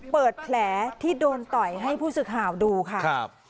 เปิดแผลที่โดนต่อยให้ผู้สื่อข่าวดูค่ะ